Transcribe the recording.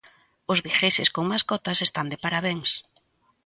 Os vigueses con mascotas están de parabéns.